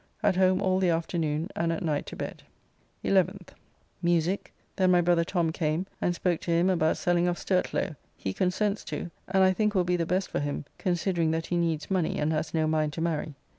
At home all the afternoon, and at night to bed. 11th. Musique, then my brother Tom came, and spoke to him about selling of Sturtlow, he consents to, and I think will be the best for him, considering that he needs money, and has no mind to marry.